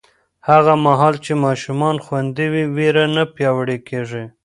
هغه مهال چې ماشومان خوندي وي، ویره نه پیاوړې کېږي.